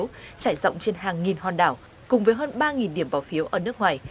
trải rộng trên hàng nghìn hòn đảo cùng với hơn ba điểm bỏ phiếu ở nước ngoài